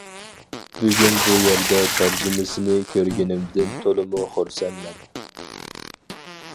بۈگۈن بۇ يەردە تەرجىمىسىنى كۆرگىنىمدىن تولىمۇ خۇرسەنمەن.